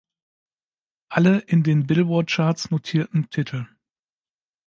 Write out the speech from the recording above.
Alle in den Billboard-Charts notierten Titel.